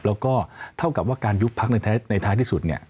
แล้วก็เท่ากับว่าการยุบพักในท้ายที่สุดเนี่ย